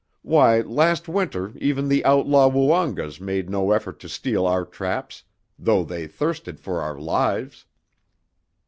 Why, last winter even the outlaw Woongas made no effort to steal our traps, though they thirsted for our lives!"